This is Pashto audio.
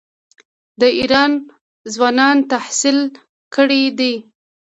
د ایران ځوانان تحصیل کړي دي.